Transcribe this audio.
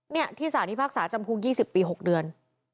เนี่ยที่สารที่ภาคศาสตร์จำคลุก๒๐ปี๖เดือน